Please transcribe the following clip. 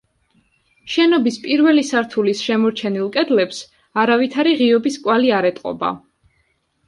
შენობის პირველი სართულის შემორჩენილ კედლებს არავითარი ღიობის კვალი არ ეტყობა.